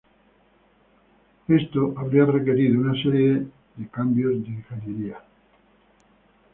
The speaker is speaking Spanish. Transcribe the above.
Esto habría requerido una serie de serios cambios de ingeniería.